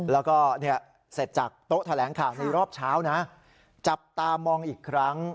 แล้วก็เสร็จจากโต๊ะแถลงข่าวในรอบเช้านะจับตามองอีกครั้ง